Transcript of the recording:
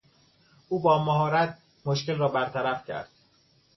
او با مهارت مشکل را برطرف کرد.